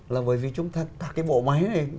là bởi vì chúng ta cái bộ máy này